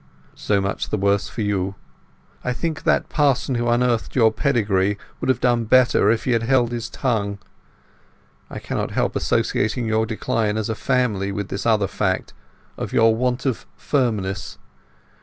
"So much the worse for you. I think that parson who unearthed your pedigree would have done better if he had held his tongue. I cannot help associating your decline as a family with this other fact—of your want of firmness.